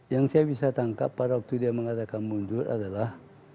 yang saya bisa tangkap pada waktu dia mengatakan mundur adalah